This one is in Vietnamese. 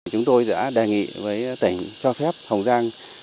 chúng tôi đã đề nghị với tỉnh cho phép hồng giang